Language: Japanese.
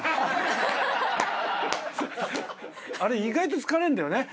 あれ意外と疲れんだよね。